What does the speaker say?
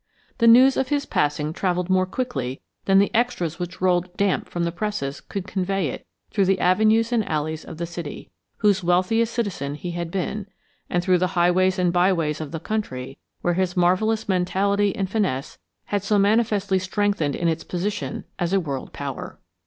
The news of his passing traveled more quickly than the extras which rolled damp from the presses could convey it through the avenues and alleys of the city, whose wealthiest citizen he had been, and through the highways and byways of the country, which his marvelous mentality and finesse had so manifestly strengthened in its position as a world power.